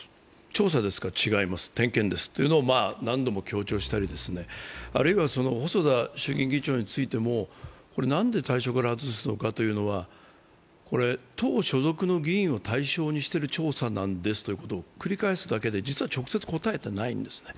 調査ですか、違います、点検ですと何度も強調したり、あるいは細田衆院議長についても、何で対象から外したかというのは、党所属の議員を対象にしている調査なんですということを繰り返すだけで、実は直接答えてないんです。